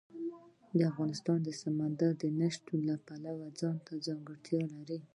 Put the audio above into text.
افغانستان د سمندر نه شتون د پلوه ځانته ځانګړتیا لري.